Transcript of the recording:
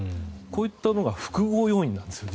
こういったものが複合要因なんですよ。